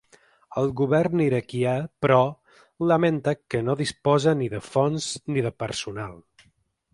El govern iraquià, però, lamenta que no disposa ni de fons ni de personal.